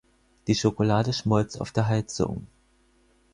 Die Schokolade schmolz auf der Heizung.